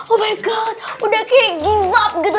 omg udah kayak give up gitu